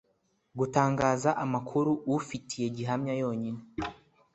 Gutangaza amakuru ufitiye gihamya yonyine.